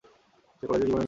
সে কলেজের জীবন ছিলো।